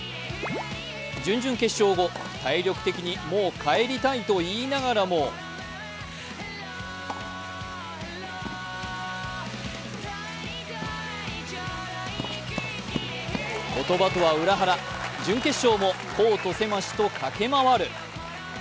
準々決勝後、体力的にもう帰りたいと言いながらも言葉とは裏腹、準決勝もコート狭しと駆け回る。